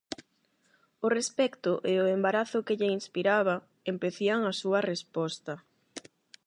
O respecto e o embarazo que lle inspiraba, empecían a súa resposta.